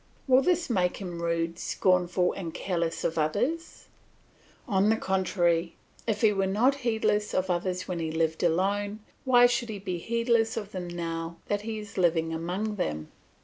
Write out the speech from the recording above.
Will this make him rude, scornful, and careless of others? On the contrary; if he were not heedless of others when he lived alone, why should he be heedless of them now that he is living among them?